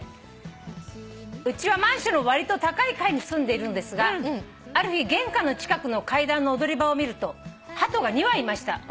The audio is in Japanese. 「うちはマンションの割と高い階に住んでいるのですがある日玄関の近くの階段の踊り場を見るとハトが２羽いました」